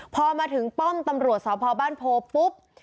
พอมาถึงป้อมตำรวจสพบ้านโพปุ๊บ